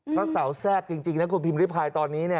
พระสาวแทรกจริงนะคุณพิมพ์รีไพรตอนนี้